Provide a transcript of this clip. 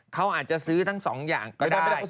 เขาอาจจะซื้อทั้ง๒อย่างก็ได้